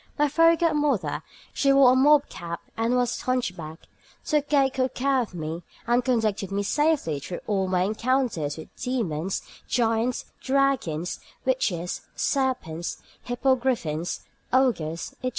My fairy godmother (she wore a mob cap and was hunchbacked) took good care of me, and conducted me safely through all my encounters with demons, giants, dragons, witches, serpents, hippogriffins, ogres, etc.